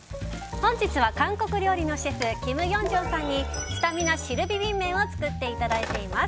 本日は韓国料理のシェフキム・ヨンジュンさんにスタミナ汁ビビン麺を作っていただいています。